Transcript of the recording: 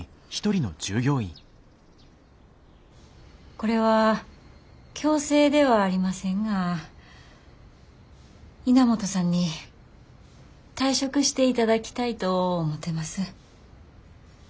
これは強制ではありませんが稲本さんに退職していただきたいと思てます。